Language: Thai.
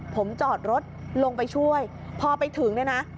ผมจอดรถลงไปช่วยพอไปถึงเนี่ยนะ